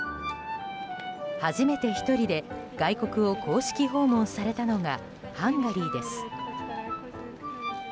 初めて１人で外国を公式訪問されたのがハンガリーです。